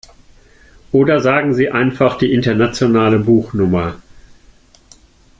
Oder sagen Sie einfach die internationale Buchnummer.